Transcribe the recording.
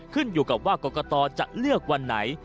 ขึ้นอยู่กับว่ากรกตจะเลือกวันไหน